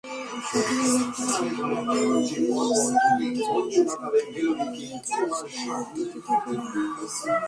গঠনমূলক কাজ, জনকল্যাণমূলক কাজ, জনগণের স্বার্থে দেশকে অগ্রগতির দিকে এগিয়ে নেওয়া।